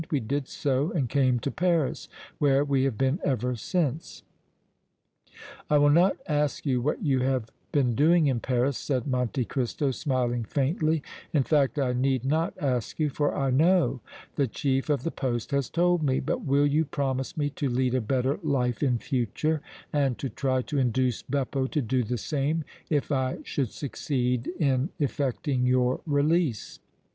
We did so and came to Paris, where we have been ever since." "I will not ask you what you have been doing in Paris," said Monte Cristo, smiling faintly; "in fact, I need not ask you, for I know; the chief of the poste has told me; but will you promise me to lead a better life in future and to try to induce Beppo to do the same, if I should succeed in effecting your release?"